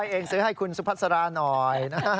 เองซื้อให้คุณสุพัสราหน่อย